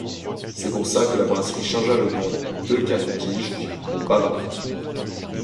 C'est pour ça que la brasserie changea le nom De Kerkdijk pour Bavaria.